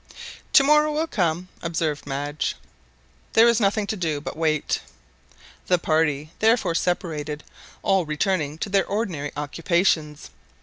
"To morrow will come," observed Madge. There was nothing to do but to wait. The party therefore separated, all returning to their ordinary occupations.